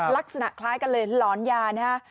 ลักษณะคล้ายกันเลยหลอนยานะฮะ